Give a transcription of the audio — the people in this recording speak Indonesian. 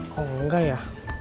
kok enggak ya